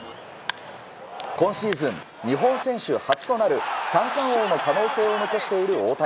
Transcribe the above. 今シーズン日本選手初となる三冠王の可能性を残している大谷。